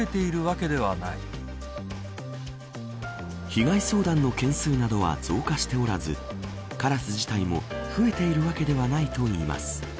被害相談の件数などは増加しておらずカラス自体も増えているわけではないといいます。